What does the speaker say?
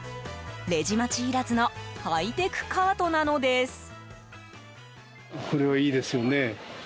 レジ待ちいらずのハイテクカートなのです。